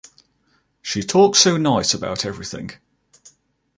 She talked so nice about everything.